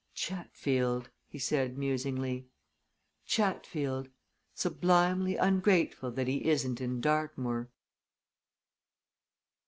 "Chatfield!" he said musingly. "Chatfield! sublimely ungrateful that he isn't in Dartmoor."